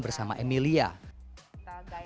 perkakas masak serba mungil dilalui